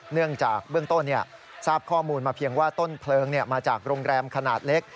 เนื่องจากเบื้องต้นทราบข้อมูลมาเพียงว่าต้นเพลิงมาจากโรงแรมขนาดเล็ก